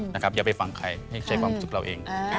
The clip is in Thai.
อย่าไปฟังใครให้ใช้ความสุขเราเอง